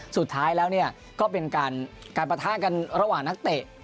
สุดท้ายแล้วก็เป็นการปะทะกันระหว่างนักเตะ